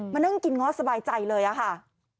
นั่งกินง้อสบายใจเลยอะค่ะ